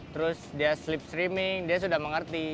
terus dia sleep streaming dia sudah mengerti